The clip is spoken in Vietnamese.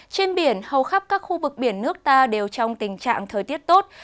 trên biển hầu khắp các khu vực biển nước ta đều trong tình trạng thời tiết tốt